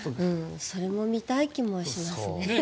それも見たい気もしますね。